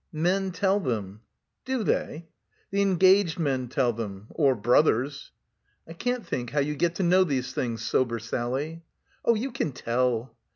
"Men tell them." "Do they?" "The engaged men tell them — or brothers," "I can't think how you get to know these things, sober Sally." "Oh, you can tell."